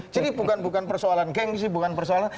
jadi bukan persoalan geng sih bukan persoalan